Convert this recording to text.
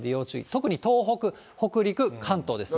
特に東北、北陸、関東ですね。